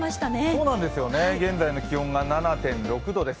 そうなんです、現在の気温が７．６度です。